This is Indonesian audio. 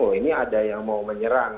oh ini ada yang mau menyerang